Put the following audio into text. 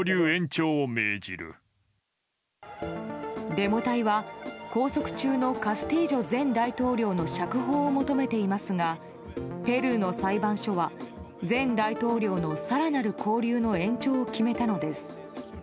デモ隊は、拘束中のカスティージョ前大統領の釈放を求めていますがペルーの裁判所は前大統領の更なる勾留の延長を決めたのです。